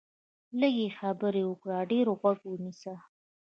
لږې خبرې وکړه، ډېر غوږ ونیسه